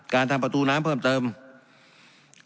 การปรับปรุงทางพื้นฐานสนามบิน